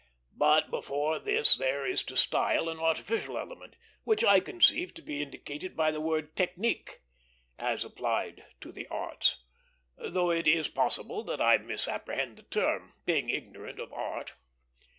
But beyond this there is to style an artificial element, which I conceive to be indicated by the word technique as applied to the arts; though it is possible that I misapprehend the term, being ignorant of art.